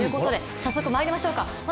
早速まいりましょうか。